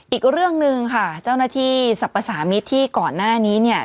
อีกเรื่องหนึ่งค่ะเจ้าหน้าที่สรรพสามิตรที่ก่อนหน้านี้เนี่ย